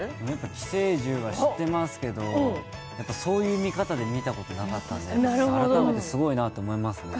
「寄生獣」は知ってますけど、そういう見方で見たことなかったんで、改めてすごいなと思いますね。